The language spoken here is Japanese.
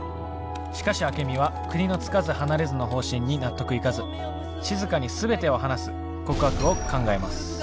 しかしアケミは国のつかず離れずの方針に納得いかずしずかに全てを話す告白を考えます。